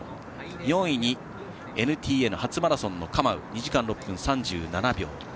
４位にＮＴＮ初マラソンのカマウ２時間６分３７秒。